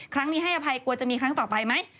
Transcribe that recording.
ครั้งนี้ให้อภัยกลัวจะมีครั้งต่อไปไหม